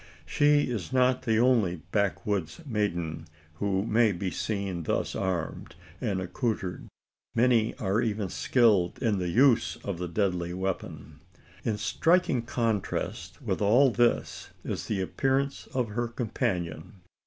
She is not the only backwoods' maiden who may be seen thus armed and accoutred: many are even skilled in the use of the deadly weapon! In striking contrast with all this is the appearance of her companion.